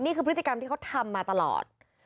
นี่คือพฤติกรรมที่เขาทำมาตลอด